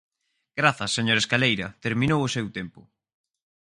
Grazas, señor Escaleira, terminou o seu tempo.